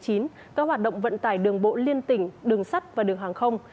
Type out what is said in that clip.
các hoạt động vận tải đường bộ liên tỉnh đường sắt và đường hàng không